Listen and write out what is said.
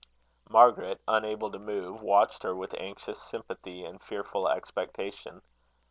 Margaret, unable to move, watched her with anxious sympathy and fearful expectation.